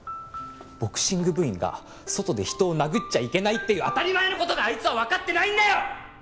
ボクシング部員が外で人を殴っちゃいけないっていう当たり前の事があいつはわかってないんだよ！